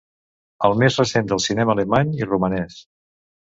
El més recent del cinema alemany i romanès.